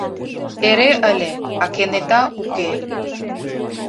Эре ыле, а кенета уке.